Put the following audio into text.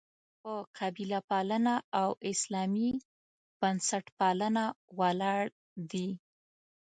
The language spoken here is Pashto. په «قبیله پالنه» او «اسلامي بنسټپالنه» ولاړ دي.